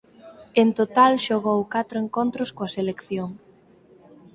En total xogou catro encontros coa selección.